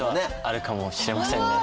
あるかもしれませんね。